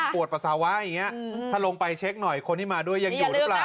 ปวดปัสสาวะอย่างนี้ถ้าลงไปเช็คหน่อยคนที่มาด้วยยังอยู่หรือเปล่า